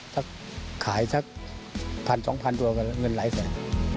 ถ้าขายสัก๑๐๐๒๐๐ตัวก็เงินหลายแสน